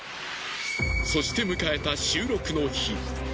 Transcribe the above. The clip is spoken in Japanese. そして迎えた収録の日。